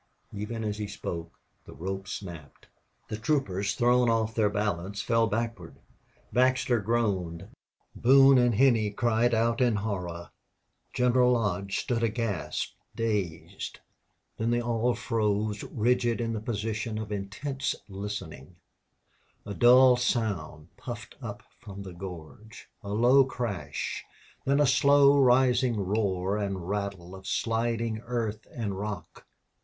Even as he spoke the rope snapped. The troopers, thrown off their balance, fell backward. Baxter groaned; Boone and Henney cried out in horror; General Lodge stood aghast, dazed. Then they all froze rigid in the position of intense listening. A dull sound puffed up from the gorge, a low crash, then a slow rising roar and rattle of sliding earth and rock.